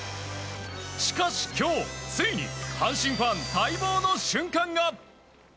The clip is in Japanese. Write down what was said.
しかし、今日ついに阪神ファン待望の瞬間が。